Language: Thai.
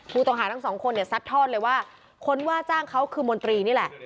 ผู้ต้องหาทั้งสองคนเนี่ยซัดทอดเลยว่าคนว่าจ้างเขาคือมนตรีนี่แหละ